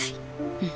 うん。